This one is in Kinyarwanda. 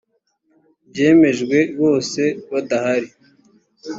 byemejwe bose badahari